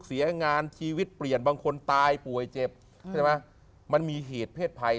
เสียงานชีวิตเปลี่ยนบางคนตายป่วยเจ็บใช่ไหมมันมีเหตุเพศภัย